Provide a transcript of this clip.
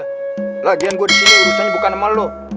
sebagian gua disini urusannya bukan sama lu